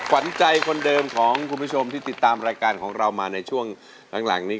ขวัญใจคนเดิมของคุณผู้ชมที่ติดตามรายการของเรามาในช่วงหลังนี้